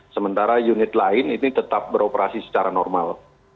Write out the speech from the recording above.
sementara unit lain ini tetap beroperasi secara normal